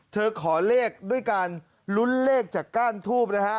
ขอเลขด้วยการลุ้นเลขจากก้านทูบนะฮะ